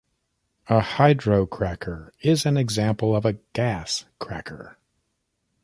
A hydrocracker is an example of a gas cracker.